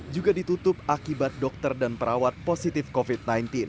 juga ditutup akibat dokter dan perawat positif covid sembilan belas